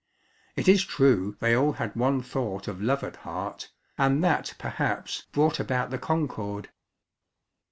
It is true they all had one thought of love at heart, and that perhaps brought about the concord.